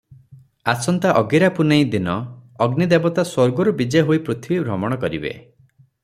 ଆସନ୍ତା ଅଗିରାପୂନେଇ ଦିନ ଅଗ୍ନି ଦେବତା ସ୍ୱର୍ଗରୁ ବିଜେ ହୋଇ ପୃଥିବୀ ଭ୍ରମଣ କରିବେ ।